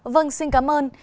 vâng xin cảm ơn